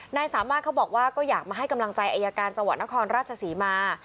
นายสามารถเขาบอกว่าก็อยากมาให้กำลังใจอายการจังหวัดนครราชศรีมา